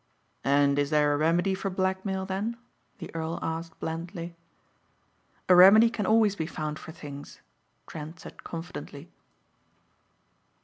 "And is there a remedy for blackmail, then?" the earl asked blandly. "A remedy can always be found for things," Trent said confidently.